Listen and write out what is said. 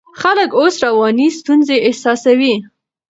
خلک اوس رواني ستونزې احساسوي.